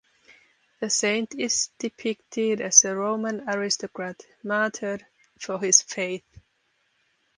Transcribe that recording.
The Saint is depicted as a Roman aristocrat, martyred for his faith.